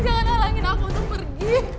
jangan alangin aku pergi